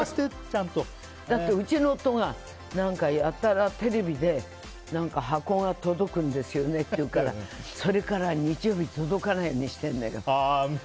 だって、うちの夫が何かやたらテレビで箱が届くんですよねって言うからそれから日曜日届かないようにしてるのよ。